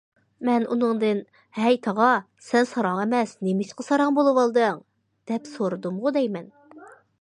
مەن ئۇنىڭدىن« ھەي تاغا، سەن ساراڭ ئەمەس، نېمىشقا ساراڭ بولۇۋالدىڭ؟» دەپ سورىدىمغۇ دەيمەن.